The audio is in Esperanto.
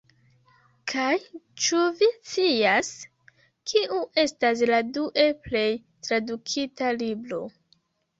Kaj ĉu vi scias, kiu estas la due plej tradukita libro?